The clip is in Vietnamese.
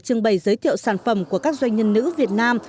trưng bày giới thiệu sản phẩm của các doanh nhân nữ việt nam